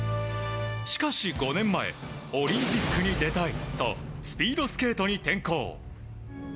しかし、５年前オリンピックに出たいとスピードスケートに転向。